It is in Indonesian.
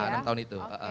ya enam tahun itu